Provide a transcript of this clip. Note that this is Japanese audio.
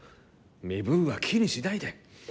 身分は気にしないで。